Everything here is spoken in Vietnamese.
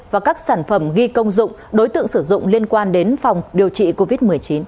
và các sản phẩm ghi công dụng đối tượng sử dụng liên quan đến phòng điều trị covid một mươi chín